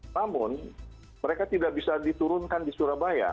namun mereka tidak bisa diturunkan di surabaya